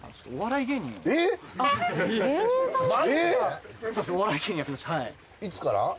いつから？